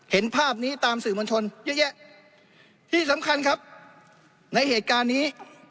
เห็นภาพนี้ตามสื่อมวลชนเยอะแยะที่สำคัญครับในเหตุการณ์นี้